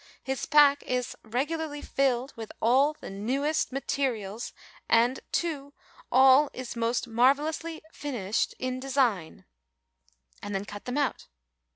His _p_ack _i_s r_e_gularly f_i_lled with _a_ll the _n_ewest _m_at_e_rials a_n_d, too, all i_s_ mos_t_ ma_r_vellously f_i_nished in d_e_sign. and then cut them out."